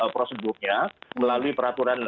prosedurnya melalui peraturan